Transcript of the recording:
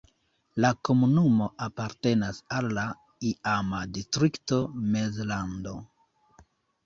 La komunumo apartenas al la iama distrikto Mezlando.